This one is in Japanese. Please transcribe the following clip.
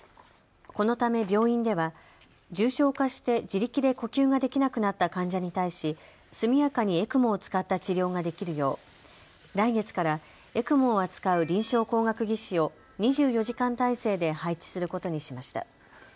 このため病院では重症化して自力で呼吸ができなくなった患者に対し速やかにＥＣＭＯを使った治療ができるよう来月からＥＣＭＯを扱う臨床工学技士を２４時間体制で配置することにしました。